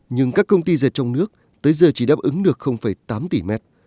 nhưng các công ty dệt trong nước tới giờ chỉ đáp ứng được tám tỷ mét